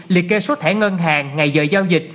liệt kê số thẻ ngân hàng ngày giờ giao dịch